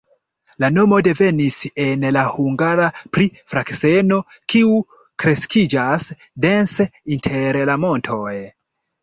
La nomo devenis en la hungara pri frakseno, kiu kreskiĝas dense inter la montoj.